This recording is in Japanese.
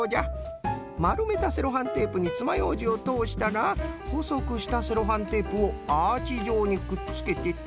まるめたセロハンテープにつまようじをとおしたらほそくしたセロハンテープをアーチじょうにくっつけてっと。